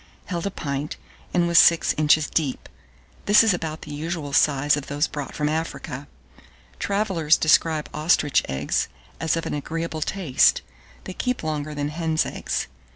held a pint, and was six inches deep: this is about the usual size of those brought from Africa. Travellers describe ostrich eggs as of an agreeable taste: they keep longer than hen's eggs.